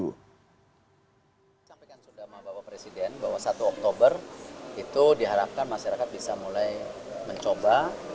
saya sampaikan sudah sama bapak presiden bahwa satu oktober itu diharapkan masyarakat bisa mulai mencoba